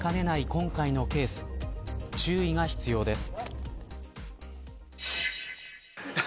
今回のケース注意が必要です。